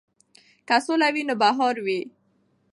که سوله وي نو بهار وي.